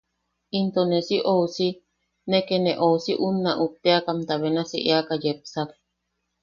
Into ne si ousi… ne ke ne ousi unna utte’akamta benasi eaka yepsak.